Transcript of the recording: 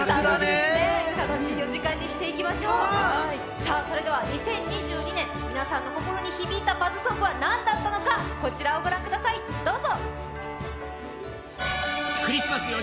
楽しい４時間にしていきましょう２０２２年、皆さんの心に響いたバズソングは何だったんでしょうかこちらをご覧ください、どうぞ。